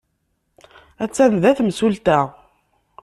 Attan da temsulta.